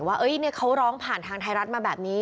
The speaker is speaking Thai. ว่าเขาร้องผ่านทางไทยรัฐมาแบบนี้